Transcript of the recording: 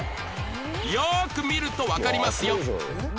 よく見るとわかりますよ